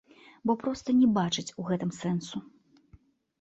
Бо проста не бачыць у гэтым сэнсу.